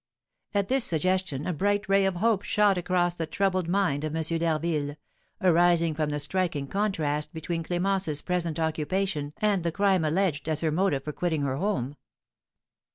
At this suggestion a bright ray of hope shot across the troubled mind of M. d'Harville, arising from the striking contrast between Clémence's present occupation and the crime alleged as her motive for quitting her home.